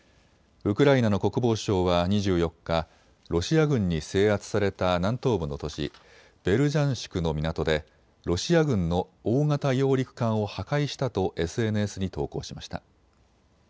ウクライナの国防省は２４日、ロシア軍に制圧された南東部の都市、ベルジャンシクの港でロシア軍の大型揚陸艦を破壊したとＳＮＳに投稿しました。